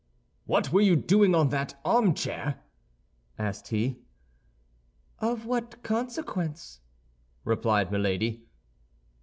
"What were you doing on that armchair?" asked he. "Of what consequence?" replied Milady.